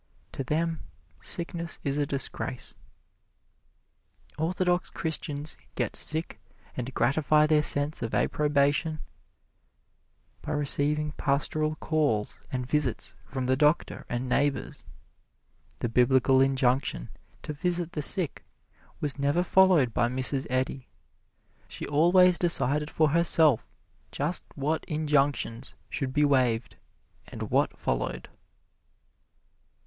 To them sickness is a disgrace. Orthodox Christians get sick and gratify their sense of approbation by receiving pastoral calls and visits from the doctor and neighbors. The biblical injunction to visit the sick was never followed by Mrs. Eddy she always decided for herself just what injunctions should be waived and what followed.